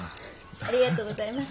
ありがとうございます。